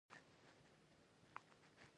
موزیک د هنري ښکلا لوړه کچه ده.